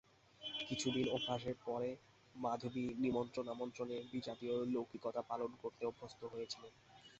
কিছুদিন অভ্যাসের পরে মাধবী নিমন্ত্রণ-আমন্ত্রণে বিজাতীয় লৌকিকতা পালন করতে অভ্যস্ত হয়েছিলেন।